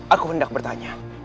aku hendak bertanya